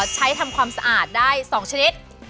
ใช้ทำความสะอาดได้๒ชนิด